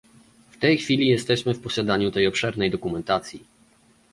W tej chwili jesteśmy w posiadaniu tej obszernej dokumentacji